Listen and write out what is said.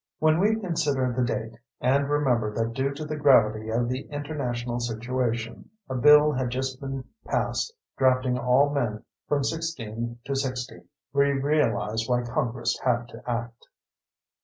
When we consider the date, and remember that due to the gravity of the international situation, a bill had just been passed drafting all men from 16 to 60, we realize why Congress had to act.